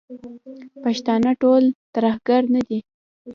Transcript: پښتانه ټول ترهګر نه دي.